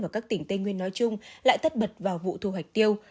và các tỉnh tây nguyên nói chung lại tắt bật vào vụ thu hoạch tiêu